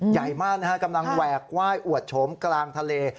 ใหญ่มากนะฮะกำลังแหวกไหว้อวดโฉมกลางทะเล